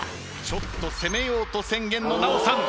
「ちょっと攻めよう」と宣言の奈緒さん。